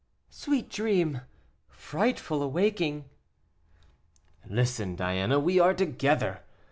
"Sweet dream, frightful awaking." "Listen, Diana; we are together.